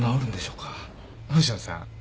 星野さん。